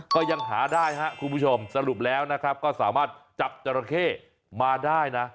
ก็ยังหาได้ครับคุณผู้ชมสรุปแล้วนะครับก็สามารถจับจราเข้มาได้นะ